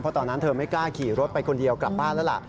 เพราะตอนนั้นเธอไม่กล้าขี่รถไปคนเดียวกลับบ้านแล้วล่ะ